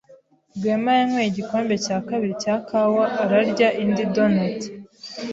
Rwema yanyweye igikombe cya kabiri cya kawa ararya indi donut.